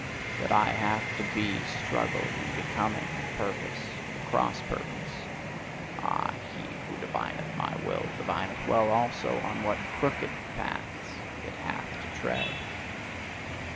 That I have to be struggle, and becoming, and purpose, and cross purpose ah, he who divineth my will, divineth well also on what CROOKED paths it hath to tread!